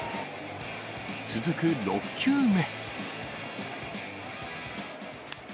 続く６球目。